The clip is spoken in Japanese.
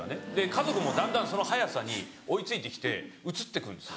家族もだんだんその早さに追い付いてきてうつってくるんです。